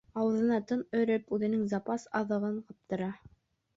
Ауыҙына тын өрөп, үҙенең запас аҙығын ҡаптыра.